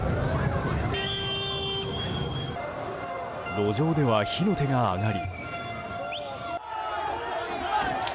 路上では火の手が上がり。